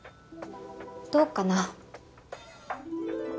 どうかな。